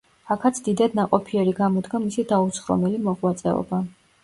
აქაც დიდად ნაყოფიერი გამოდგა მისი დაუცხრომელი მოღვაწეობა.